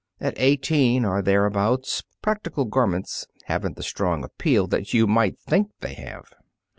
At eighteen, or thereabouts, practical garments haven't the strong appeal that you might think they have."